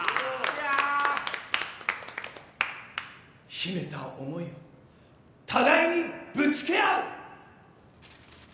秘めた思いを互いにぶつけ合う！